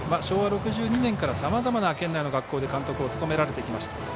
昭和６２年からさまざまな県内の学校で監督を務められてきました。